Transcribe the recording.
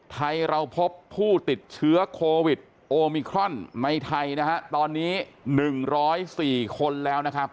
ไทยเราพบผู้ติดเชื้อโควิดโอมิครอนในไทยนะฮะตอนนี้๑๐๔คนแล้วนะครับ